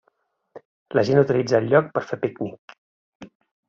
La gent utilitza el lloc per fer pícnic.